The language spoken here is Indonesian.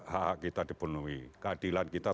hak hak kita dipenuhi keadilan kita